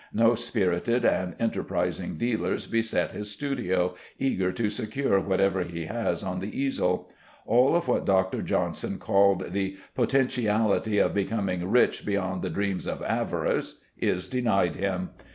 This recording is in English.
No spirited and enterprising dealers beset his studio, eager to secure whatever he has on the easel. All of what Dr. Johnson called the "Potentiality of becoming rich beyond the dreams of avarice" is denied him.